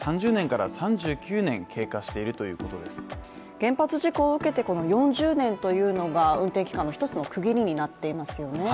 原発事故を受けて４０年というのが運転期間の一つの区切りになっていますよね。